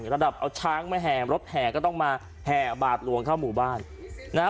ระดับเอาช้างมาแห่รถแห่ก็ต้องมาแห่บาทหลวงเข้าหมู่บ้านนะฮะ